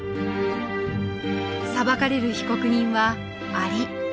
裁かれる被告人はアリ。